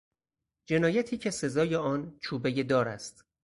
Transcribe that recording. جنایتی که سزای آن چوبهی دار است